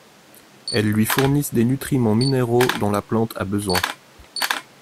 Elles lui fournissent des nutriments minéraux dont la plante a besoin.